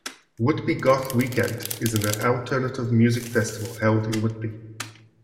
Whitby Goth Weekend is an alternative music festival held in Whitby.